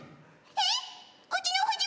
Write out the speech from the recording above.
えっ？